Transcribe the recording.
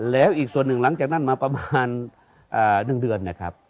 แล้วอีกส่วนหนึ่งหลังจากนั้นมาประมาณ๑เดือนนะครับ